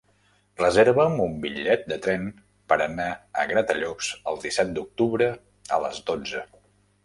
Reserva'm un bitllet de tren per anar a Gratallops el disset d'octubre a les dotze.